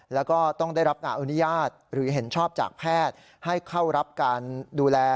แล้วก็ต้องได้รับการอนุญาตหรือเห็นชอบจากแพทย์ให้เข้ารับการดูแล